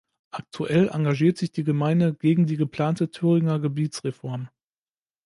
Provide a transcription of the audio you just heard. Aktuell engagiert sich die Gemeinde gegen die geplante Thüringer Gebietsreform.